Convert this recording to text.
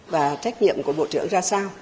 và trách nhiệm của bộ trưởng ra sao